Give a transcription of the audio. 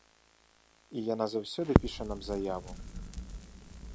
І яна заўсёды піша нам заяву.